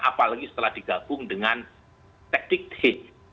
apalagi setelah digabung dengan teknik hit